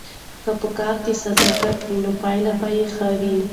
که په کار کې صداقت وي نو پایله یې ښه وي.